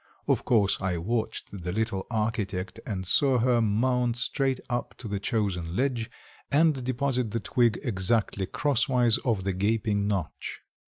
Of course, I watched the little architect and saw her mount straight up to the chosen ledge and deposit the twig exactly crosswise of the gaping notch.